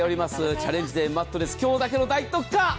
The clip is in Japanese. チャレンジデー、マットレス今日だけの大特価。